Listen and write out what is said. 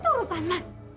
itu urusan mas